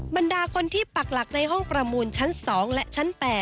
บรรดาคนที่ปักหลักในห้องประมูลชั้น๒และชั้น๘